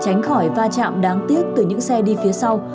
tránh khỏi va chạm đáng tiếc từ những xe đi phía sau